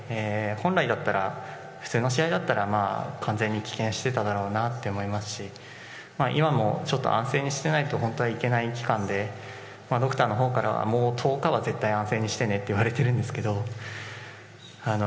本来だったら普通の試合だったら完全に棄権していただろうなと思いますし今も安静にしていないと本当はいけない期間でドクターのほうからはもう１０日は絶対に安静にしてねと言われているんですけど。